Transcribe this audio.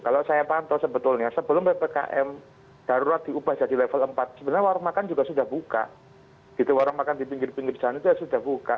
kalau saya pantau sebetulnya sebelum bdkm darurat diubah jadi level empat sebenarnya warung makan juga sudah buka